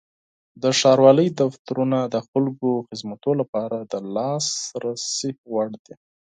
د ښاروالۍ دفترونه د خلکو خدمتونو لپاره د لاسرسي وړ دي.